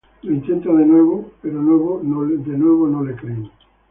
Lo intenta de nuevo pero de nuevo no le creen.